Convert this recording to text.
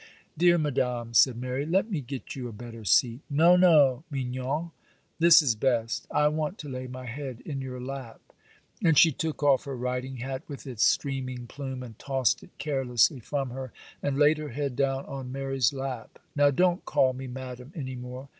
'Dear Madame,' said Mary, 'let me get you a better seat.' 'No, no, mignonne, this is best. I want to lay my head in your lap;' and she took off her riding hat with its streaming plume, and tossed it carelessly from her, and laid her head down on Mary's lap. 'Now don't call me Madame any more.